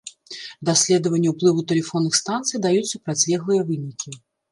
Даследаванні ўплыву тэлефонных станцый даюць супрацьлеглыя вынікі.